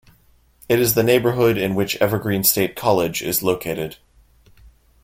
It is the neighbourhood in which Evergreen State College is located.